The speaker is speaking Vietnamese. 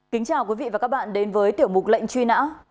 kính chào quý vị và các bạn đến với tiểu mục lệnh truy nã